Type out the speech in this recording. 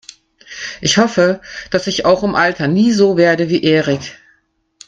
Ich hoffe, dass ich auch im Alter nie so werde wie Erik.